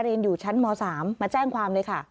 เรียนอยู่ชั้นม๓มาแจ้งความเลยค่ะ